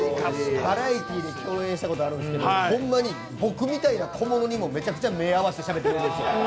バラエティーで共演したことあるんですけどほんまに僕みたいな小物にもめちゃめちゃ目を合わせて話してくれるんですよ。